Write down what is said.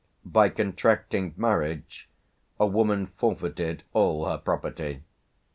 By contracting marriage, a woman forfeited all her property.